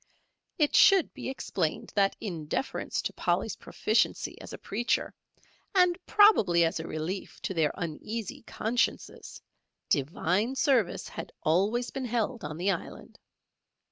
It should be explained that in deference to Polly's proficiency as a preacher, and probably as a relief to their uneasy consciences, Divine Service had always been held on the Island.